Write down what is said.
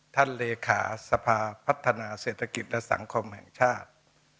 เลขาสภาพัฒนาเศรษฐกิจและสังคมแห่งชาติ